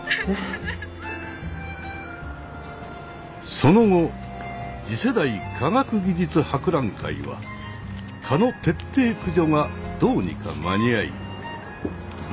その後次世代科学技術博覧会は蚊の徹底駆除がどうにか間に合い無事開催されることとなった。